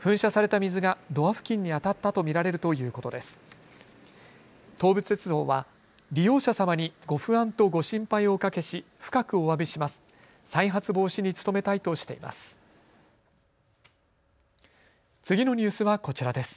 東武鉄道は利用者様にご不安とご心配をおかけし深くおわびします。